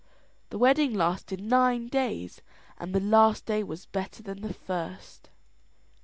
The wedding lasted nine days, and the last day was better than the first.